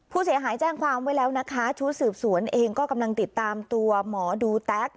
ผู้เสียหายแจ้งความไว้แล้วนะคะชุดสืบสวนเองก็กำลังติดตามตัวหมอดูแต๊ก